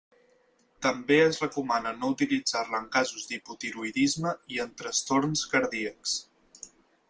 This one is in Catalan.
També es recomana no utilitzar-la en casos d'hipotiroïdisme i en trastorns cardíacs.